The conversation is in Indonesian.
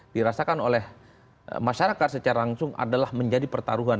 dirasakan oleh masyarakat secara langsung adalah menjadi pertaruhan